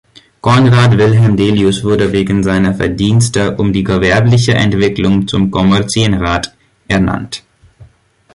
Conrad Wilhelm Delius wurde wegen seiner Verdienste um die gewerbliche Entwicklung zum Kommerzienrat ernannt.